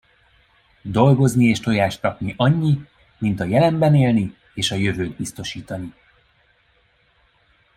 Dolgozni és tojást rakni, annyi, mint a jelenben élni és a jövőt biztosítani.